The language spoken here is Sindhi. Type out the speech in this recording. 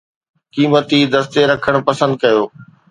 قيمتي دستي رکڻ پسند ڪيو.